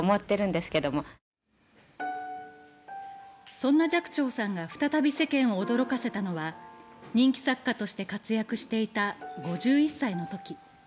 そんな寂聴さんが再び世間を驚かせたのは人気作家として活躍していた５１歳のとき。